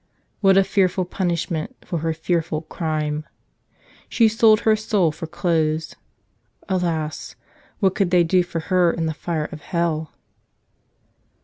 What a fearful punishment for her fearful crime! She sold her soul for clothes. Alas! what could they do for her in the fire of hell?